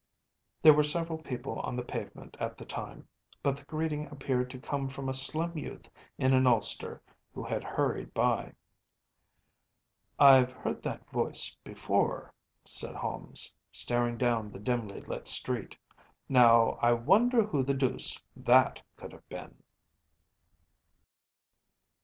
‚ÄĚ There were several people on the pavement at the time, but the greeting appeared to come from a slim youth in an ulster who had hurried by. “I’ve heard that voice before,‚ÄĚ said Holmes, staring down the dimly lit street. “Now, I wonder who the deuce that could have been.